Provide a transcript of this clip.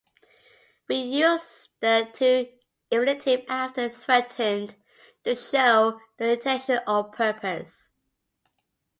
We use the to-infinitive after "threatened" to show the intention or purpose.